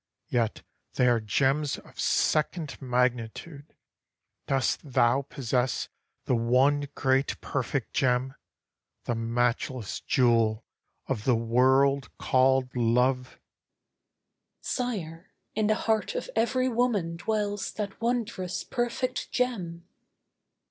Yet they are gems of second magnitude! Dost thou possess the one great perfect gem— The matchless jewel of the world called love? ESTHER Sire, in the heart of every woman dwells That wondrous perfect gem!